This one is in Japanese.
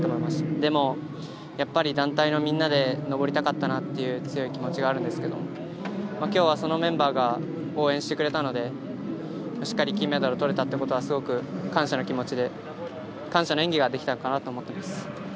でも、やっぱり団体のみんなで上りたかったなという強い気持ちがあるんですけど今日はそのメンバーが応援してくれたのでしっかり金メダルとれたことはすごく感謝の気持ちで感謝の演技ができたかなと思います。